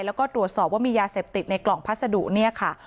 แล้วก็ตรวจสอบว่ามียาเสพติดในกล่องพัสดุเนี่ยค่ะ